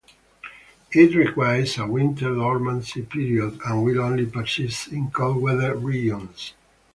It requires a winter dormancy period, and will only persist in cold-weather regions.